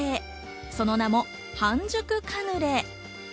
その名も半熟カヌレ。